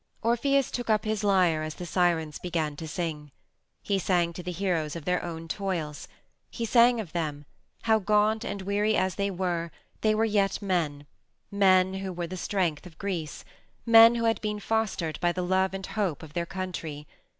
Orpheus took up his lyre as the Sirens began to sing. He sang to the heroes of their own toils. He sang of them, how, gaunt and weary as they were, they were yet men, men who were the strength of Greece, men who had been fostered by the love and hope of their country.